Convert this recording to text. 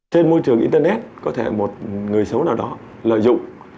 trên môi trường internet có thể một người xấu nào đó lợi dụng